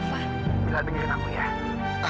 mila dengerin aku ya